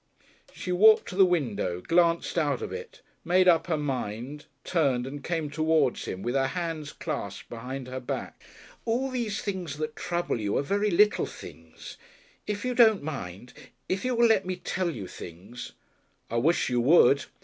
She walked to the window, glanced out of it, made up her mind, turned and came towards him, with her hands clasped behind her back. "All these things that trouble you are very little things. If you don't mind if you will let me tell you things " "I wish you would."